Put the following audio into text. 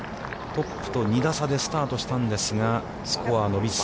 トップと２打差でスタートしたんですが、スコアが伸びず。